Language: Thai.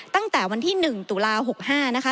ตั้งแต่วันที่๑ตุลา๖๕นะคะ